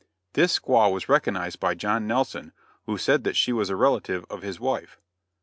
This squaw was recognized by John Nelson who said that she was a relative of his wife.